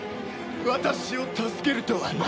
私を助けるとはな。